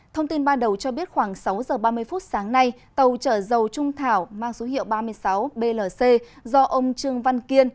thông tin ban đầu cho biết khoảng sáu giờ ba mươi phút sáng nay tàu chở dầu trung thảo mang số hiệu ba mươi sáu blc do ông trương văn kiên